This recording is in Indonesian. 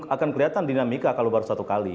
akan kelihatan dinamika kalau baru satu kali